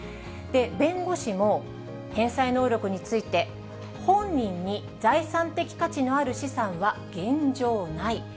弁護士も、返済能力について、本人に財産的価値のある資産は現状ない。